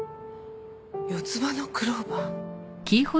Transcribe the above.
四つ葉のクローバー。